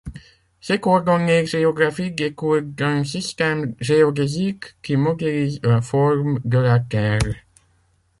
Ces coordonnées géographiques découlent d'un système géodésique qui modélise la forme de la Terre.